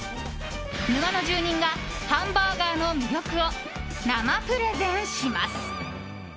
沼の住人がハンバーガーの魅力を生プレゼンします。